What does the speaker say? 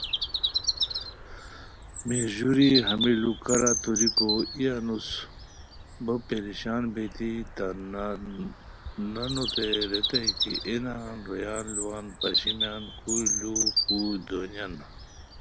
میرژوری ہمی لُو کارا توریکو ای انوس بو پریشان بیتی تان نانوتین ریتائے کی، ایے نان! رویان لُووان پاشیمیان کوئے لُوؤ کوئے دونیان